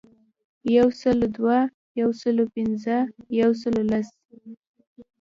یو سلو دوه، یو سلو پنځه ،یو سلو لس .